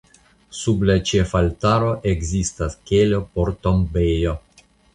Sub la ĉefaltaro ekzistas kelo por tombejo.